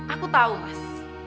aku tahu mas